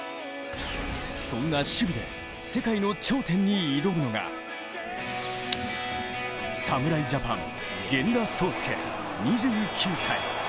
そんな守備で世界の頂点に挑むのが侍ジャパン、源田壮亮２９歳。